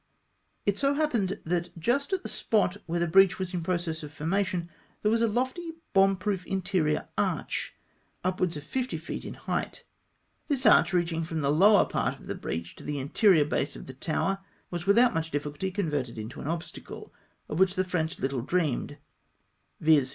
It so happened, that just at the spot where the breach was in process of formation, there was a lofty bomb proof interior arch, upwards of fifty feet in height. This arch, reaching from the lower part of the breach to the interior base of the tower, was with out nmch difficulty converted into an obstacle, of which the French little dreamed ; viz.